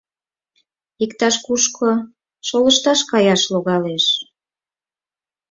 — Иктаж-кушко шолышташ каяш логалеш...